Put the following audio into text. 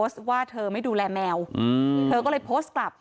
สวัสดีคุณผู้ชายสวัสดีคุณผู้ชาย